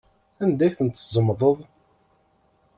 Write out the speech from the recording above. Anda ay tent-tzemḍeḍ?